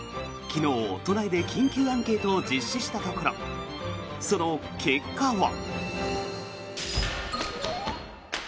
昨日、都内で緊急アンケートを実施したところその結果は。